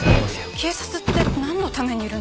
警察ってなんのためにいるんですか？